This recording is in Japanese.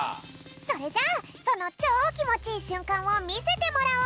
それじゃあそのチョーきもちいいしゅんかんをみせてもらおう！